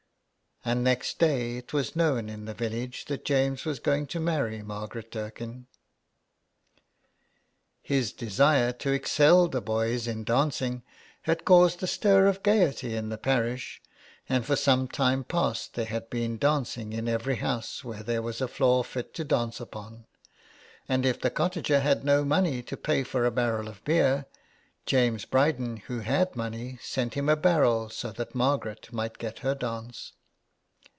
And next day it was known in the village that James was going to marry Margaret Dirken. 165 HOME SICKNESS. His desire to excel the boys in dancing had caused a stir of gaiety in the parish, and for some time past there had been dancing in every house where there was a floor fit to dance upon ; and if the cottager had no money to pay for a barrel of beer, James Bryden, who had money, sent him a barrel, so that Margaret might get her dance.